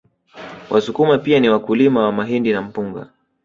Wasukuma pia ni wakulima wa mahindi na mpunga